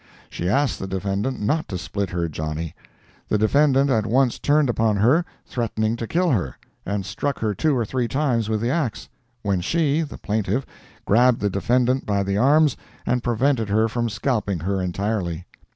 She asked the defendant not to split her Johnny. The defendant at once turned upon her, threatening to kill her, and struck her two or three times with the axe, when she, the plaintiff, grabbed the defendant by the arms and prevented her from scalping her entirely.